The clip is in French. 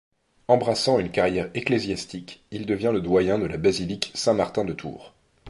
Embrassant une carrière ecclésiastique, il devient le doyen de la basilique Saint-Martin de Tours.